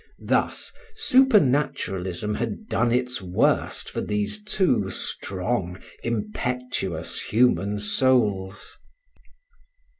Thus supernaturalism had done its worst for these two strong, impetuous human souls.